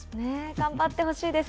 頑張ってほしいです。